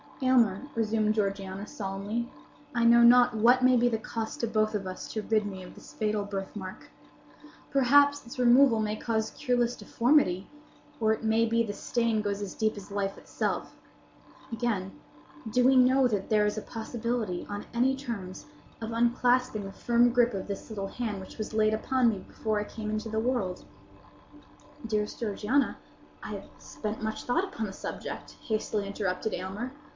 "Aylmer," resumed Georgiana, solemnly, "I know not what may be the cost to both of us to rid me of this fatal birthmark. Perhaps its removal may cause cureless deformity; or it may be the stain goes as deep as life itself. Again: do we know that there is a possibility, on any terms, of unclasping the firm gripe of this little hand which was laid upon me before I came into the world?" "Dearest Georgiana, I have spent much thought upon the subject," hastily interrupted Aylmer.